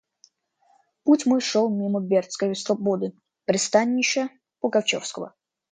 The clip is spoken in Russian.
Путь мой шел мимо Бердской слободы, пристанища пугачевского.